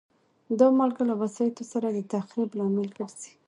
دا مالګه له وسایطو سره د تخریب لامل ګرځي.